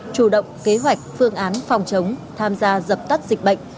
chủ động kế hoạch phương án phòng chống tham gia dập tắt dịch bệnh